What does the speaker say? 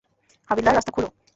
হাবিলদার, রাস্তা খোলো।